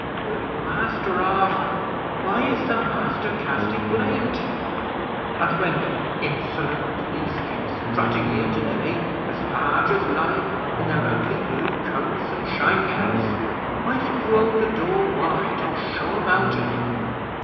"But, Master Arthur, why is the master casting blame to you? And when them insolent police came strutting here to day, as large as life, in their ugly blue coats and shiny hats, why didn't you hold the door wide, and show 'em out again?